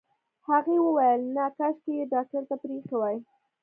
هغې وويل نه کاشکې يې ډاکټر ته پرېښې وای.